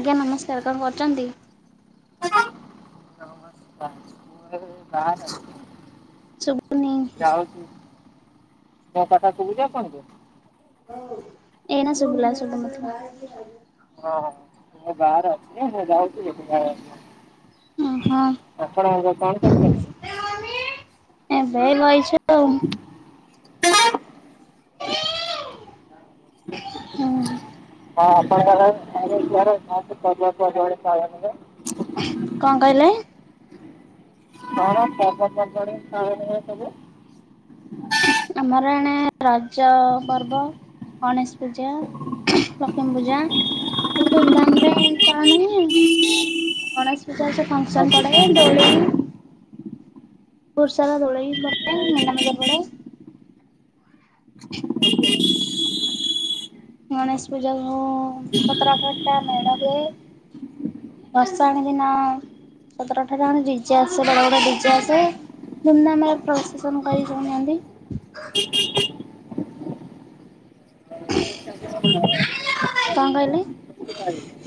ଆଜ୍ଞା ନମସ୍କାର କଣ କରଚନ୍ତି? ନମସ୍କାର ମୁଁ ଏବେ ବାହାରେ ଅଛି। ଶୁଭୁନି ଯାଉଚି ମୋ କଥା ସୁବୁଚି ଆପଣଙ୍କୁ? ଏଇନା ଶୁବିଲା ଶୁବୁ ନଥିଲା। ହଁ ମୁଁ ବାହାରେ ଅଛି [unintelligible] ମୁଁ ଯାଉଚି [inaudible] ଓହୋ ଆପଣ ଏବେ କଣ କରୁଚନ୍ତି? ଏବେ ବଇଚୁ ଆଉ। [inaudible] ହୁଁ। ହଁ ଆପଣଙ୍କର [unintelligible] କଣ କହିଲେ? କଣ ଖିଆ ପିଆ ସାରିଲାଣି [unintelligible] ସବୁ। ଆମର ଏଣେ ରଜ ପର୍ବ ଗଣେଶ ପୂଜା ଲକ୍ଷ୍ମୀ ପୂଜା ସବୁ ଧୁମଧାମରେ ଗଣେଷ ପୂଜାରେ ତ ଫଙ୍କସନ୍ ପଡେ ଦୋଳି ହ୍ୟାଲୋ ବୋହୁତ୍ ସାରା ଦୋଳି ପଡେ ମୀନା ବଜାର ପଡେ। ଗଣେଶ ପୂଜାକୁ ସତର ଅଠରଟା ମେଢ ହୁଏ। ବସାଣି ଦିନ ସତର ଅଠର ଖଣ୍ଡେ ଡିଜେ ଆସେ ବଡ ବଡ ଡିଜେ ଆସେ। ଧୁମଧାମରେ ପ୍ରସେସନ୍ କରି ଯାଉନାହାନ୍ତି। କଣ କ‌ଇଲେ? [inaudible]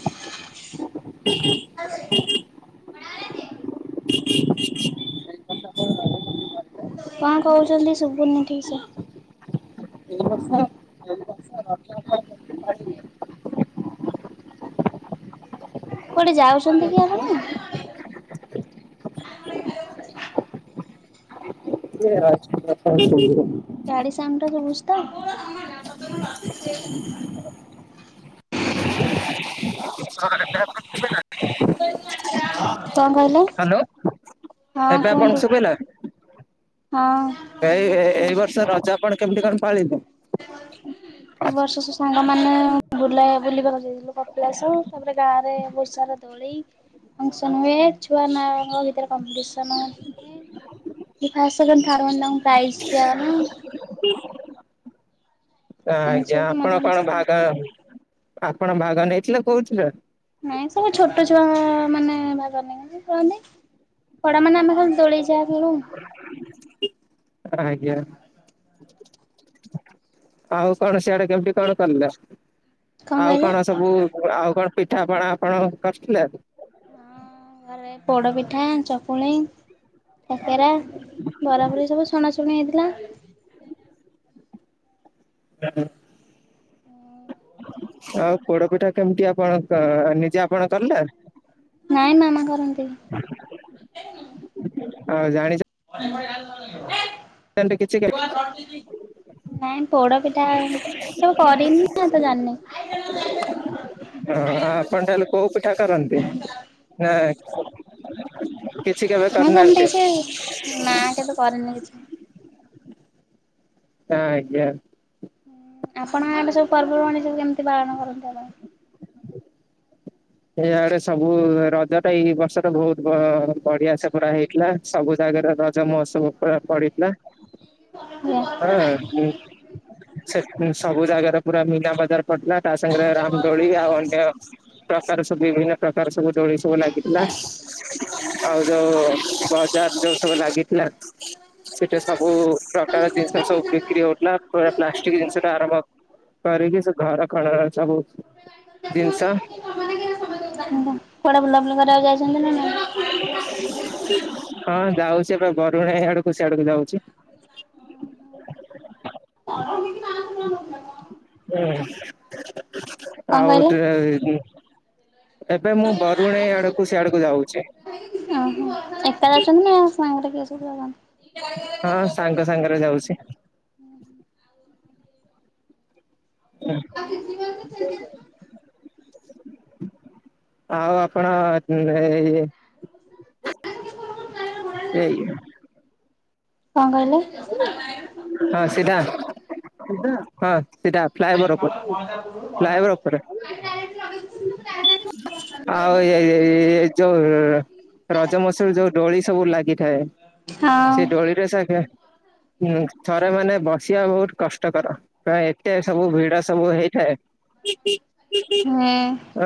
[unintelligible] [inaudible] କଣ କହୁଚନ୍ତି ଶୁଭୁନି ଠିକ ସେ। କୁଆଡେ ଯାଉଚନ୍ତି କି ଆପଣ। ଏ [unintelligible] ଗାଡ଼ି ସାଉଣ୍ଡ ଟା ଶୁବୁଚି ତ। [unintelligible] କଣ କହିଲ। ହ୍ୟାଲୋ ଏବେ ଆପଣ ଶୁବିଲା। ହଁ। ଏଇ ଏଇ ବର୍ଷ ରଜ ଆପଣ କେମିତି କଣ ପାଳିଲେ। ଏ ବର୍ଷ ସାଙ୍ଗ ମାନେ ବୁଲାଏ ବୁଲି କରିବାକୁ ଯାଇଥିଲୁ କପିଳାସ ତାପରେ ଗାଁ ରେ ବୋହୁତ ସାରା ଦୋ ଦୋଳି ଫଙ୍କସନ ହୁଏ ଛୁଆ ନା ଙ୍କ ଭିତରେ କମ୍ପିଟିସନ ହୁଏ। ଫାସ୍ ସେକେଣ୍ଡ ଥାର୍ଡ ହୁଅନ୍ତି ତାଙ୍କୁ ପ୍ରାଇଜ ଦିଅ ହୁଏ। ତ ଏମିତି ଆଜ୍ଞା ସବୁ ଆପଣ କଣ ମଜାମସ୍ତି ଭାଗ ଆପଣ ଭାଗ ନେଇଥିଲେ କୋଉଥିରେ। ନାଇଁ ସବୁ ଛୋଟ ଛୁଆ ମାନେ ଭାଗ ନିଅନ୍ତି କୁହନି। ବଡ଼ ମାନେ ଆମେ ଖାଲି ଦୋଳି ଯାଆ ଖେଳୁ। ଆଜ୍ଞା। ଆଉ କଣ ସିଆଡେ କେମିତି କଣ କଲେ ଆଉ କଣ ସବୁ ଆଉ କଣ ପିଠା ପଣା ଆପଣ କରିଥିଲେ। ଘରେ ପୋଡ଼ ପିଠା ଚପୁଳି। କାକେରା ବରା ଫରା ସବୁ ଛଣା ଛୁଣୀ ହେଇଥିଲା। ଆଜ୍ଞା। ହୁଁ। ଆଉ ପୋଡ଼ ପିଠା କେମିତି ଆପଣଙ୍କ ନିଜେ ଆପଣ କଲେ। ନାଇଁ ମାମା କରନ୍ତି। ହଁ ଜାଣିଚ ଆ କିଛି ନାଇଁ ପୋଡ଼ ପିଠା ତ କରିନି ତ ଜାଣିନେଇ। ହଁ ଆପଣ ତାହେଲେ କୋଉ ପିଠା କରନ୍ତି ନା କିଛି କେବେ ମୁଁ କରିନାହାନ୍ତି ସେମିତି କିଛି ନା କେବେ କରେନି କିଛି। ଆଜ୍ଞା। ଆପଣ ଆଡେ ସବୁ ପର୍ବ ପର୍ବାଣି ସବୁ କେମିତି ପାଳନ କରନ୍ତି ଆପଣ। ଏଇ ଆଡ଼େ ସବୁ ରଜ ଟା ଏଇ ବର୍ଷରେ ବୋହୁତ ବଢ଼ିଆ ସେ ପୁରା ହେଇଥିଲା। ସବୁ ଜାଗାରେ ରଜ ମହୋତ୍ସବ ପଡ଼ିଥିଲା ଆପଣ? ହଁ। ସେ ସବୁ ଜାଗାରେ ପୁରା ମୀନା ବଜାର ପଡ଼ିଥିଲା ତା ସାଙ୍ଗରେ ରାମଦୋଳି ଆଉ ଅନ୍ୟ ପ୍ରକାର ସବୁ ବିଭିନ୍ନ ପ୍ରକାର ସବୁ ଦୋଳି ସବୁ ଲାଗିଥିଲା ଆଉ ଯୋଉ ବଜାର ଯୋଉ ସବୁ ଲାଗିଥିଲା। ସେଟି ସବୁ ପ୍ରକାର ଜିନିଷ ସବୁ ବିକ୍ରି ହୋଉଥିଲା ପୁରା ପ୍ଲାଷ୍ଟିକ ଜିନିଷ ଟୁ ଆରମ୍ଭ କରିକି ସେ ଘର ଖଣ ସବୁ ଜିନିଷ। କୁଆଡ଼େ ବୁଲାବୁଲି କରିବାକୁ ଯାଇଚନ୍ତି ନା ନାଇଁ। ହଁ ଯାଉଚି ଏବେ ବରୁଣେଇ ଆଡ଼କୁ ଯାଉଚି। [unintelligible] ହୁଁ। କଣ ଆଉ କହିଲେ? [unintelligible] ଏବେ ମୁଁ ବରୁଣେଇ ଆଡ଼କୁ ସେ ଆଡ଼କୁ ଯାଉଚି। ଓହୋ ଏକା ଯାଉଚନ୍ତି ନା ସାଙ୍ଗରେ କିଏ ସବୁ ଯାଉଚନ୍ତି। ହଁ ସାଙ୍ଗ ସାଙ୍ଗରେ ଯାଉଚି। ହୁଁ ହୁଁ ଆଉ ଆପଣ ଇଏ ଏଇ କଣ କହିଲେ? ହଁ ସିଧା ହଁ ସିଧା। ଫ୍ଲାଏଭର ଉପରେ ଫ୍ଲାଏଭର ଉପରେ [unintelligible] ଅ ଏ ଏ ଯୋଉ ରଜ ମହୋତ୍ସବରେ ଯୋଉ ଦୋଳି ସବୁ ଲାଗିଥାଏ। ସେ ହଁ। ଦୋଳିରେ ସେ ହୁଁ ଥରେ ମାନେ ବସିବା ବହୁତ କଷ୍ଟକର, ଏତେ ସବୁ ଭିଡ଼ ସବୁ ହେଇଥାଏ। [unintelligible] ହୁଁ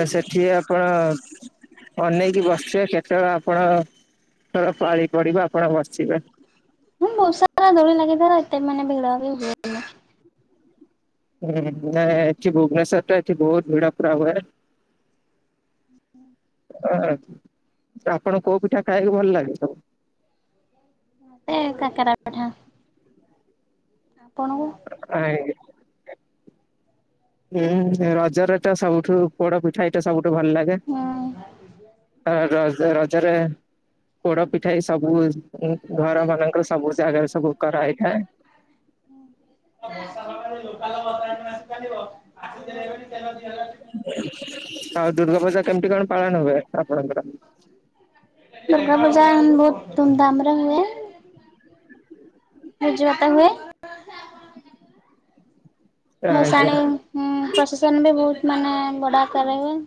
ଏ ସେଠି ଆପଣ ଅନେଇକି ବସିବେ କେତେବେଳେ ଆପଣ ଙ୍କର ପାଳି ପଡ଼ିବ ଆପଣ ବସିବେ। ହଁ ବହୁତ ସାରା ଦୋଳି ଲାଗିଥାଏ, ନା ଏତେ ମାନେ ଭିଡ଼ ବି ହୁଏ ନି। ହୁଁ ନାଇଁ ଏଠି ଭୁବନେଶ୍ୱର ତ ଏଠି ବହୁତ ଭିଡ଼ ପୁରା ହୁଏ। ହ ଆପଣ କୋଉ ପିଠା ଖାଇବାକୁ ଭଲ ଲାଗେ ସବୁ? ମତେ କାକରା ପିଠା, ଆପଣଙ୍କୁ? [unintelligible] ଉଁ ରଜରେ ତ ସବୁଠୁ ପୋଡ଼ ପିଠା ଏଇଟା ସବୁଠୁ ଭଲ ଲାଗେ, ହୁଁ ଆ ରଜ ରଜରେ ପୋଡ଼ ପିଠା ସବୁ ଘର ମାନଙ୍କର ସବୁ ଜାଗାରେ ସବୁ କରାହେଇଥାଏ। ହୁଁ। [unintelligible] ଆଉ ଦୁର୍ଗା ପୂଜା କେମିତି କଣ ପାଳନ ହୁଏ ଆପଣଙ୍କର? ଦୁର୍ଗାପଜା ବହୁତ ଧୁମଧାମରେ ହୁଏ। ଭୂଜିବାତ ହୁଏ। ଆଜ୍ଞା ଭଷାଣୀ ଉଁ ପ୍ରସେସନ ବି ବହୁତ ମାନେ ବଡ ଆକାରେ ହୁଏ।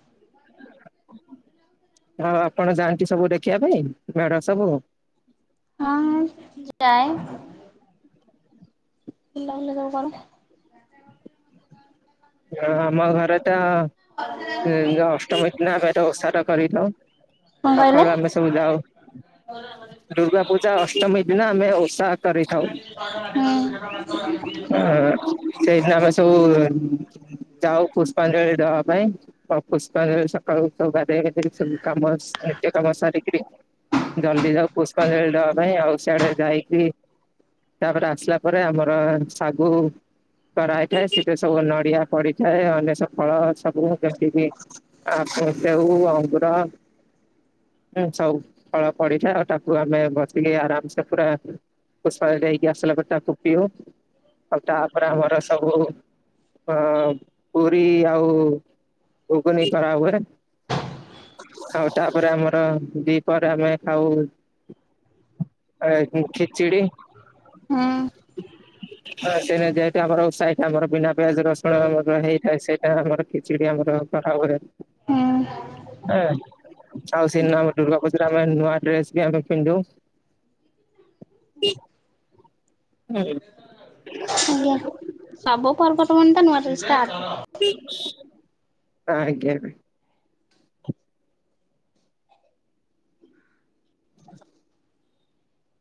ଆଉ ଆପଣ ଯାଆନ୍ତି ସବୁ ଦେଖିବା ପାଇଁ ମେଢ ସବୁ। ହଁ ଯାଏ। ପିଲା ବୁଲେଇ ଦବ କାଳେ। ହଁ ଆମ ଘରେ ତ ଅଷ୍ଟମୀ ଦିନ ଆମେ ଉସାଟ କରିନଉ କଣ କହିଲେ? ସକାଳୁ ଆମେ ସବୁ ଯାଉ ଦୁର୍ଗା ପୂଜା ଅଷ୍ଟମୀ ଦିନ ଆମେ ଓଷା କରିଥାଉ ହୁଁ। ସେଇଦିନ ଆମେ ସବୁ ଯାଉ ପୁଷ୍ପାଞ୍ଜଳି ଦବା ପାଇଁ। ବା ପୁଷ୍ପାଞ୍ଜଳି ସକାଳୁ ଉଠୁ ଗାଧୁଆ ଗାଧେଇ ସବୁ କାମ ନିତ୍ୟ କାମ ସାରିକିରି ଜଲଦି ଯାଉ ପୁଷ୍ପାଞ୍ଜଳି ଦବା ପାଇଁ, ଆଉ ସିଆଡେ ଯାଇକି ତାପରେ ଆସିଲା ପରେ ଆମର ଶାଗୁ କରାହଇଥାଏ ସେଠରେ ସବୁ ନଡିଆ ପଢିଥାଏ ଆଁ ନେସ୍ ସଫଳ ସବୁ ଯେମତି ବିି ଆ ସେଉ, ଅଙ୍ଗୁର ସବୁ ଫଳ ପଡିଥାଏ, ଆଉ ତାକୁ ଆମେ ବସିକି ଆରାମସେ ପୁରା ପୁଷ୍ପାଞ୍ଜଳି ଯାଇକି ଆସିଲା ପରେ ତାକୁ ପିଉ। ଆଉ ତାପରେ ଆମର ସବୁ ଅ ପୁରୀ ଆଉ ଘୁଗୁନି କରା ହୁଏ। ଆଉ ତାପରେ ଆମର ଦିଇପହରେ ଆମେ ଖାଉ ଖିଚିଡି ହୁଁ ହଁ ସେଦିନ ଯେହେତୁ ଆମର ଓଷା ହେଇଚି ଆମର ବିନା ପିଆଜ ରସୁ କଣ ହେଇ ସେଇଟା ଆମର ଖିଚିଡି ଆମର କରା ହୁଏ। ହୁଁ। ଏ ଆଉ ସେନ ଦୁର୍ଗା ପୁଜାରେ ଆମେ ନୂଆ ଡ୍ରେସ୍ ବି ଆମେ ପିନ୍ଧୁ। ଆଜ୍ଞା [inaudible] ସବୁ ପର୍ବପର୍ବାଣୀ ତ ନୂଆ ଡ୍ରେସ୍ ଟା ଆ ଆଜ୍ଞା।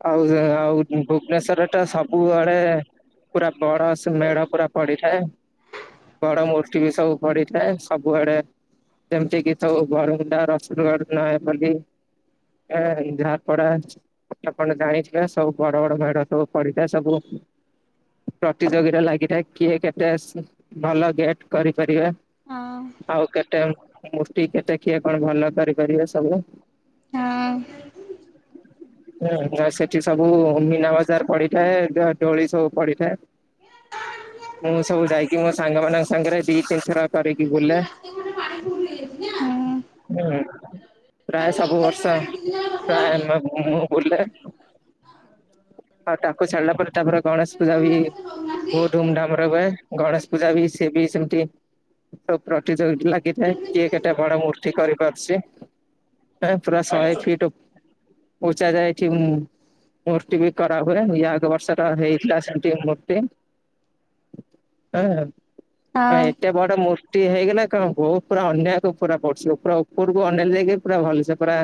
ଆଉ ସେ ଆଉ ଭୁବନେଶ୍ଵର ଟା ସବୁବେଳେ ପୁରା ବଡସେ ମେଢ ପୁରା ପଡିଥାଏ। ବଡ ମୂର୍ତ୍ତି ବି ସବୁ ପଡିଥାଏ ସବୁଆଡେ ଯେମିତିକି ସବୁ ବରମୁଣ୍ଡା, ରସୁଲଗଡ଼୍, ନୟାପଲ୍ଲୀ। ଏ ଇନ୍ଦିରାପଡା ଆପଣ ଜାଣିଥିବେ ସବୁ ବଡ ବଡ ମେଢ଼ ସବୁ ପଡି ଥାଏ। ସବୁ ପ୍ରତିଯୋଗିତା ଲାଗିଥାଏ କିଏ କେତେ ଭଲ ଗେଟ୍ କରିପାରିବେ ହଁ। ଆଉ କେତେ ମୂର୍ତି କେତେ କିିଏ କଣ ଭଲ କରିପାରିବେ ସବୁ। ହଁ। ନା ସେଠି ସବୁ ମୀନା ବଜାର୍ ପଡିଥାଏ ଡୋଳି ସବୁ ପଡିଥାଏ। ମୁଁ ସବୁ ଯାଇକି ମୋ ସାଙ୍ଗ ମାନଙ୍କ ସାଙ୍ଗରେ ଦି ତିନିଥର କରିକି ବୁଲେ। [unintelligible] ହୁଁ। ପ୍ରାୟ ସବୁ ବର୍ଷ ପ୍ରାୟ ମୁଁ ବୁଲେ। ଆଉ ତାକୁ ଛାଡିଲା ପରେ ତାପରେ ଗଣେଶ ପୂଜା ବି ବହୁତ ଧୁମଧାମରେ ହୁଏ। ଗଣେଶ ପୂଜା ବି ସେ ବି ସେମତି। ସବୁ ପ୍ରତିଯୋଗିତା ଲାଗିଥାଏ କିଏ କେତେ ବଡ ମୂର୍ତ୍ତି କରିପାରୁଚି। ଏ ପୁରା ଶହେ ଫିଟ୍ ଓ [unintelligible] ମୂର୍ତ୍ତି ବି କରାହୁଏ। ଇଏ ଆଗ ବର୍ଷର ହେଇଥିଲା ସେଠି ମୂର୍ତ୍ତି। ଏତେ ବଡ ମୂର୍ତ୍ତି ହେଇଗଲା କଣ ବହୁ ପୁରା ଅନ୍ୟାକୁ ପୁରା ପଦୁଚି ପୁରା ଉପରକୁ ଅନେଇଲେ ଯାଇକି ପୁରା ଭଲସେ ପୁରା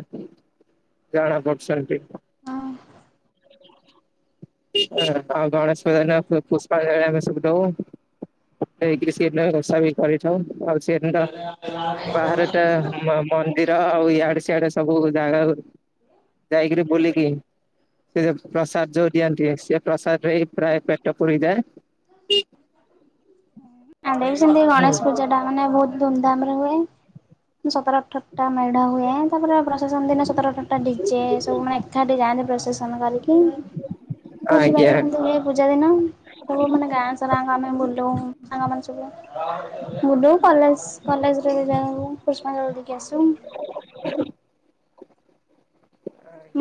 ଜଣା ପଡ୍ ଛନ୍ତି। ହଁ। ଆଉ ଗଣେଶ ପୂଜାରେ ପୁଷ୍ପାଞ୍ଜଳି ଆମେ ସବୁ ଦଉ। [unintelligible] ବ୍ୟବସ୍ଥା ବି କରିଥାଉ ଆଉ ସେ ବାହାରାରେଟ ମନ୍ଦିର ଆଉ ଇଆଡେ ସିଆଡେ ସବୁ ଜାଗାକୁ ଯାଇକରି ବୁଲିକି ସେ ଯୋଉ ପ୍ରସାଦ ଯୋଉ ଦିଅନ୍ତି ସେ ପ୍ରସାଦ ରେ ପ୍ରାୟ ପେଟ ପୁରୀ ଯାଏ। ଆମେ ବି ସେମିତି ହୁଁ ଗଣେଶ ପୂଜା ଟା ମାନେ ବହୁତ ଧୁମଧାମ ରେ ହୁଏ। ସତର ଅଠରଟା ମେଢ ହୁଏ, ତାପରେ ପ୍ରସେସନ ଦିନ ସତର ଅଠରଟା ଡି ଯେ ସବୁ ମାନେ ଏକାଠି ଯାଆନ୍ତି ପ୍ରସେସନ କରିକି, ବୁଝି ପାରୁଥିବ ଆଜ୍ଞା କେମିତି ହୁଏ। ପୂଜା ଦିନ ସବୁ ମାନେ ଗାଁ ସାରାଙ୍କ ଆମେ ବୁଲଉ ସାଙ୍ଗମାନେ ସବୁ। ବୁଲୁ କଲେଜ୍ କଲେଜରେ ଯାଉ ପୁଷ୍ପାଞ୍ଜଳି ଦେଇକି ଆସୁ।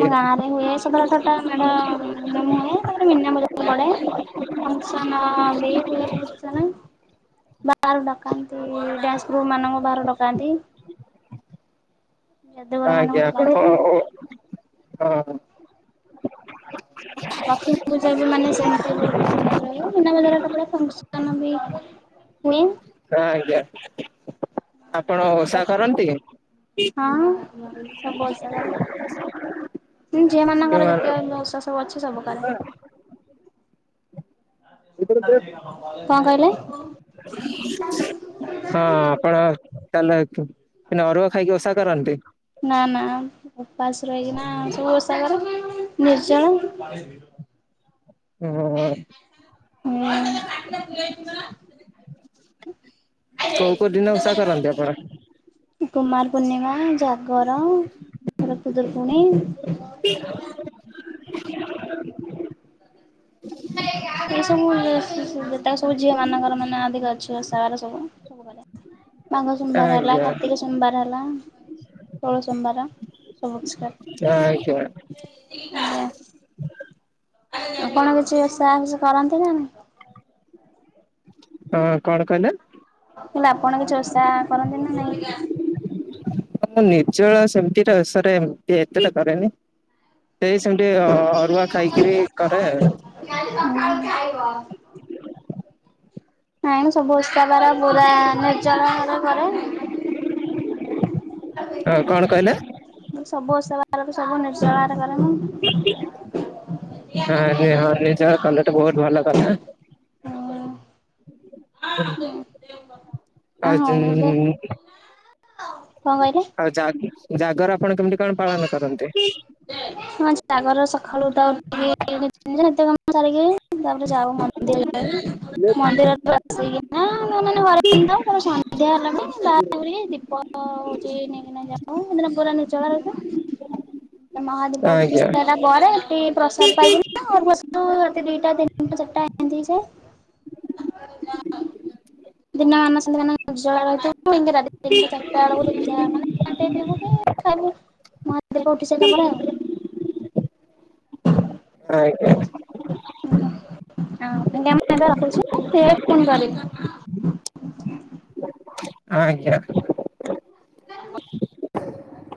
ମୋ ଗାଁ ରେ ହୁଏ, ସତର ଆଠରଟା ମେଢ ନାମ ହୁଏ, ତାପରେ ମୀନା ବଜାର ବି ପଡେ। ଫଂକଶନ ବି ହୁଏ ବହୁତ୍ ସାରା। ବାହାରୁ ଡକାନ୍ତି ଡ୍ୟାନ୍ସ ଗ୍ରୁପ ମାନଙ୍କୁ ବାହାରୁ ଡକାନ୍ତି। ଯାଦୁଗର ମାନଙ୍କୁ ଆଜ୍ଞା ଆପଣ ଡକାନ୍ତି। ହଁ। ଲକ୍ଷ୍ମୀ ପୂଜା ବି ମାନେ ସେମିତି ବହୁତ ଧୁମଧାମ ରେ ହୁଏ ମୀନା ବଜାର [unintelligible] ଫଙ୍କସନ ବି ହୁଏ। ହଁ ଆଜ୍ଞା ଆପଣ ଓଷା କରନ୍ତି? ହଁ ସବୁ ଓଷା କରେ, ହଁ ଝିଅମାନଙ୍କର ଯେତେଯାକ ଓଷା ସ ବୁ ଅଛି ସବୁ କରେ। କଣ କହିଲେ? ହଁ ଆପଣ [unintelligible] ମାନେ ଅରୁଆ ଖାଇକି ଓଷା କରନ୍ତି? ନା ନା ଉପାସ ରହିକିନା ସବୁ ଓଷା କରେ ନିର୍ଜଳା। ହଁ ହୁଁ। କୋଉ କୋଉ ଦିନ ଓଷା କରନ୍ତି ଆପଣ? କୁମାର ପୂର୍ଣ୍ଣିମା, ଜାଗର ତାପରେ ଖୁଦୁରୁକୁଣୀ [inaudible] ଏ ସବୁ ଯେତକ ସବୁ ଝିଅମାନଙ୍କର ମାନେ ଅଧିକ ଅଛି ଓଷା ବାର ସବୁ ସବୁ। ସୋମବାରେ ମାଘ ସୋମବାରେ ହେଲା ଆଜ୍ଞା କାର୍ତ୍ତିକ ସୋମବାର ହେଲା ଷୋଳ ସୋମବାର ସବୁ [unintelligible] ଆଜ୍ଞା ସୋମବାର ଆଉ ଆପଣ କିଛି ଓଷା କିଛି କରନ୍ତି ନା ନାହିଁ? ହଁ କଣ କହିଲେ? ମୁଁ କହିଲି ଆପଣ କିଛି ଓଷା କରନ୍ତି ନା ନାଇଁ? ହଁ ନିର୍ଜଳା ସେମିତି ଟା ଓଷା ରେ ଏମତି ଏତେଟା କରେନି ସେଇ ସେମତି ଅ ଅରୁଆ ଖାଇକିରି କରେ ଆଉ ହୁଁ। ନାଇଁ ନାଇଁ ସବୁ ଓଷା ବାର ପୁରା ନିର୍ଜଳା ଭାବେ କରେ ହଁ କଣ କହିଲେ? ମୁଁ ସବୁ ଓଷା ବାରରେ ସବୁ ନିର୍ଜଳାରେ କରେ ମୁଁ। କଲେ ତ ବହୁତ ଭଲ କଥା। ହୁଁ। [unintelligible] କଣ କହିଲେ? ଜାଗ୍ ଜାଗର ଆପଣ କେମିତି କଣ ପାଳନ କରନ୍ତି? ହଁ ଜାଗର ସଖାଳୁ ଉଠା ଉଠିକି କି [unintelligible] ନିତ୍ୟକର୍ମ ସାରିକି ତାପରେ ଯାଉ ମନ ନ୍ଦିର ମନ୍ଦିରରେ ଆସିକି ନା ନ ମାନେ ଘରେ ଥାଉ ତା ପରେ ସନ୍ଧ୍ୟା ହେଲା ମାନେ [unintelligible] ଦୀପ [inaudible] ହ ହଉଛି ନେଇକିନା ଯାଉ [unintelligible] ପୁରା ନିର୍ଜଳା ରହୁ ତା ମହାଦୀପ ଆଜ୍ଞା ଉଠିସାରିଲା ପରେ, ସେଠି ପ୍ରସାଦ ପାଇକିନା ଘରକୁ ଆସୁ। କିନ୍ତୁ ରାତି ଦିଇଟା ତିନିଟା ଚାରିଟା ଏମିତି ହେଇଯାଏ। ଦିନମାନ ସେମିତି ନିର୍ଜଳା ରହି ଥାଉ। [unintelligible] ଏମତି ରତି ତିନିଟା ଚାରଟା ବେଳକୁ ଯାଇକି ଯାଉ ମାନେ ପାଣି ଟିକେ ପିଇବୁ [unintelligible] ଖାଇବୁ ହେଇସାରିଲା ପରେ ଆଉ ପ୍ରାୟ [unintelligible] [unintelligible] ଆଜ୍ଞା। ମ